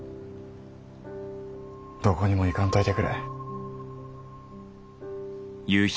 どこにも行かんといてくれ。